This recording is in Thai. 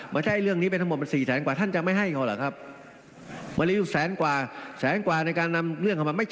ไม่ใช่เรื่องนี้เป็นคนบ่นสี่แสนว่าท่านจะไม่ให้ก็หรอกครับ